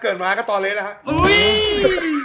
เกิดมาก็ต่อเละแล้วครับ